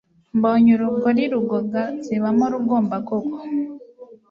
Mbonye urugori rugoga, Zibamo Rugombangogo,